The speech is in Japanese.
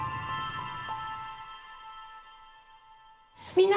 みんな！